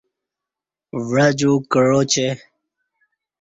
و عجو کعا چہ